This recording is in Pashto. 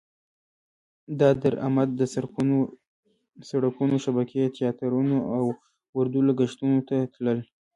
دا درامد د سرکونو شبکې، تیاترونه او اردو لګښتونو ته تلل.